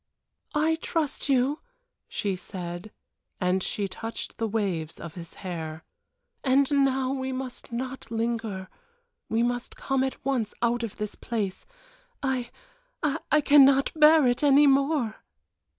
"I trust you!" she said, and she touched the waves of his hair. "And now we must not linger we must come at once out of this place. I I cannot bear it any more."